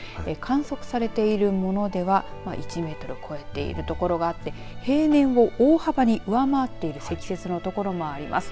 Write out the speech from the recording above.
観測されているものでは１メートル超えている所があって平年を大幅に上回っている積雪の所もあります。